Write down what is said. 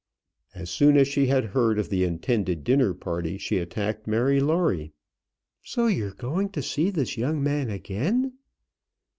As soon as she had heard of the intended dinner party, she attacked Mary Lawrie. "So you're going to see this young man again?"